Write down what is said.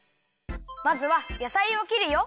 まずはやさいをきるよ。